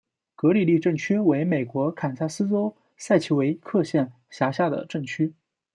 格里利镇区为美国堪萨斯州塞奇威克县辖下的镇区。